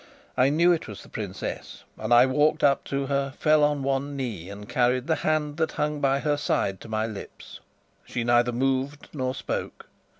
I knew it was the princess, and I walked up to her, fell on one knee, and carried the hand that hung by her side to my lips. She neither moved nor spoke.